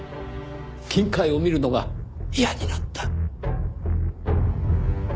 金塊を見るのが嫌になった。